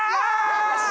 よし！